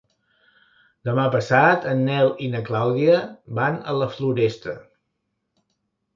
Demà passat en Nel i na Clàudia van a la Floresta.